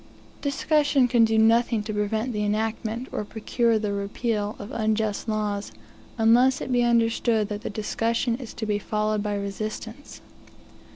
Discussion can do nothing to prevent the enactment, or procure the repeal, of unjust laws, unless it be understood that, the discussion is to be followed by resistance.